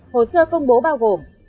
hồ sơ công bố bao gồm